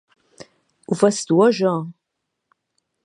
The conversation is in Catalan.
Ho fas tu o jo?